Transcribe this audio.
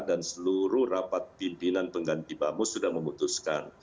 dan seluruh rapat pimpinan pengganti bamu sudah memutuskan